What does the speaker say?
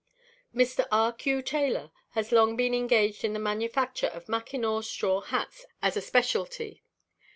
Mr R. Q. Taylor has long been engaged in the manufacture of Mackinaw straw hats as a specialty.